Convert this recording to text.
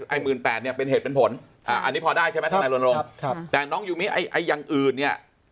ไอ้ไม่เป็นเหตุเป็นผลให้พอได้ใช่ไหมหลงครับแต่น้องอยู่เยอะอย่างอื่นนี้